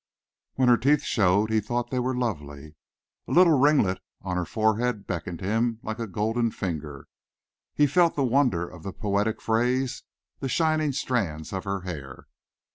When her teeth showed he thought they were lovely. A little ringlet on her forehead beckoned him like a golden finger. He felt the wonder of the poetic phrase, "the shining strands of her hair."